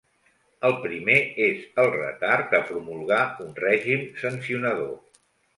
El primer és el retard a promulgar un règim sancionador.